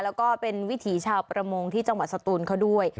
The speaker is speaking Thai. แล้วก็เป็นวิถีชาวประมงที่จังหวัดสตูนเขาด้วย